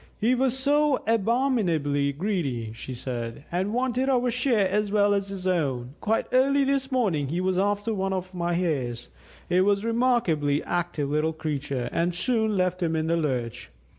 "He was so abominably greedy," she said, "and Wanted our share as well as his own. Quite early this morning he was after one of my Hares; it was a remarkably active little creature, and soon left him in the lurch.